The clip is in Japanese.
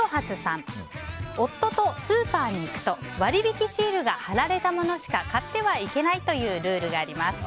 夫とスーパーに行くと割引シールが貼られたものしか買ってはいけないというルールがあります。